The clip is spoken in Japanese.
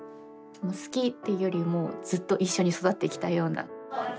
好きというよりもずっと一緒に育ってきたような。